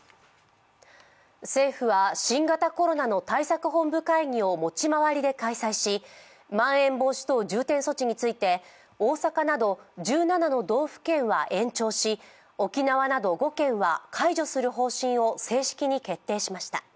政府は新型コロナの対策本部会議を持ち回りで開催し、まん延防止等重点措置について、大阪など、１７の道府県は延長し沖縄など５県は解除する方針を正式に決定しました。